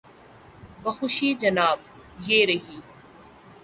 بخوشی جناب، یہ رہی۔